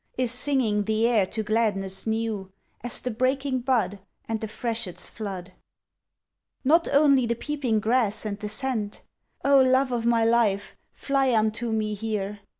Is singing the air to gladness new As the breaking bud And the freshet's flood! Not only the peeping grass and the scent (Oh, love o' my life, fly unto me here!)